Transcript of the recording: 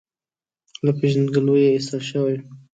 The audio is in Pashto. له پېژندګلوۍ یې ایستل شوی.